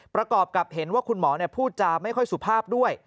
ประกอบกับเห็นว่าคุณหมอพูดจาไม่ค่อยสุภาพด้วย